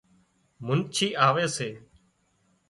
منڇي آوي سي